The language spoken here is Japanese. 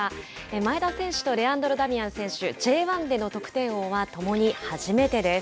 前田選手とレアンドロ・ダミアン選手Ｊ１での得点王は共に初めてです。